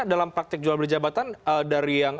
dalam praktek jualan beli jabatan dari yang